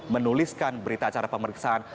menuliskan berita acara pemeriksaan